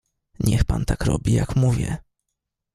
"Niech pan tak robi, jak mówię."